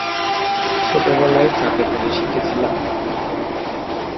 ছোটবেলায় চাপে পড়ে শিখেছিলাম।